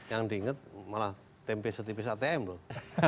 yang diinget malah tempe setipis atm loh